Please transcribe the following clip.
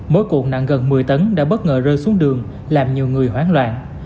mỗi cuộn nặng gần một mươi tấn đã bất ngờ rơi xuống đường làm nhiều người hoán loạn